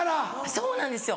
そうなんですよ。